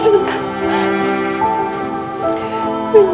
sebentar dokter sebentar